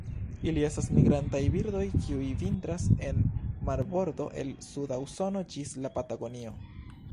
Ili estas migrantaj birdoj kiuj vintras en marbordo el suda Usono ĝis la Patagonio.